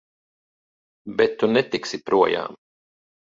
Bet tu netiksi projām!